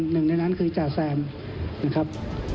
หนึ่งในนั้นคือจ่าแซมนะครับ